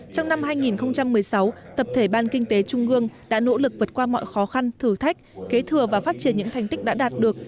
trong năm hai nghìn một mươi sáu tập thể ban kinh tế trung ương đã nỗ lực vượt qua mọi khó khăn thử thách kế thừa và phát triển những thành tích đã đạt được